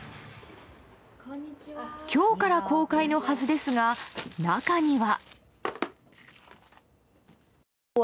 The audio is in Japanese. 今日から公開のはずですが中には。